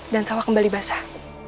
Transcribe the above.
dan sawah kembali basah